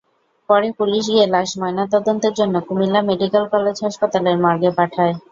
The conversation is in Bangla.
পরে পুলিশ গিয়ে লাশ ময়নাতদন্তের জন্য কুমিল্লা মেডিকেল কলেজ হাসপাতালের মর্গে পাঠায়।